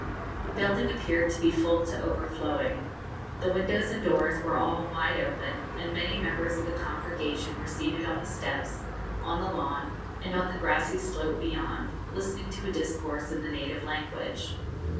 The building appeared to be full to overflowing. The windows and doors were all wide open, and many members of the congregation were seated on the steps, on the lawn, and on the grassy slope beyond, listening to a discourse in the native language.